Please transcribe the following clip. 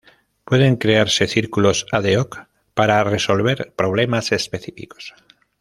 Pueden crearse círculos "ad hoc" parar resolver problemas específicos.